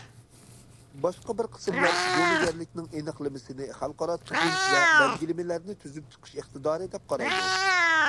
باشقا بىر قىسىملار زومىگەرلىكنىڭ ئېنىقلىمىسىنى خەلقئارا تۈزۈم ۋە بەلگىلىمىلەرنى تۈزۈپ چىقىش ئىقتىدارى دەپ قارايدۇ.